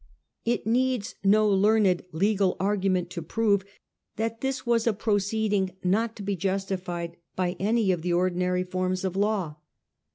It needs no learned legal argument to prove that this was a proceeding not to be justified by any of the ordinary forms of law.